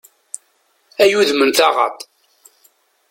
Ay udem n taɣaṭ!